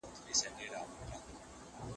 د باغونو خاوندانو ته ډیره ګټه ورسیده.